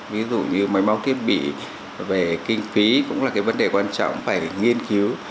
ví dụ như máy móc thiết bị về kinh phí cũng là cái vấn đề quan trọng phải nghiên cứu